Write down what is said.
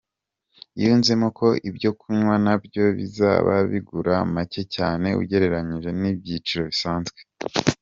Yunzemo ko ibyo kunywa nabyo bizaba bigura macye cyane ugereranyije n'ibiciro bisanzwe.